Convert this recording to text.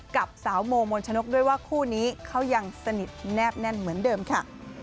กับสาวโมมนชนกด้วยว่าคู่นี้เขายังสนิทแนบแน่นเหมือนเดิมค่ะ